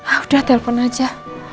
ah udah telpon aja